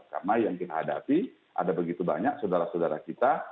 karena yang kita hadapi ada begitu banyak saudara saudara kita